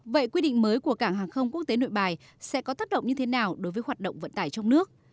vậy quy định mới của cảng hàng không quốc tế nội bài sẽ có tác động như thế nào đối với hoạt động vận tải trong nước